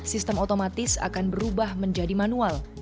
sistem otomatis akan berubah menjadi manual